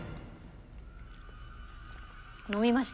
飲みました。